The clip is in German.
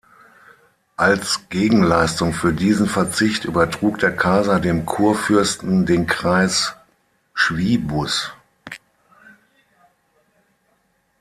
Als Gegenleistung für diesen Verzicht übertrug der Kaiser dem Kurfürsten den Kreis Schwiebus.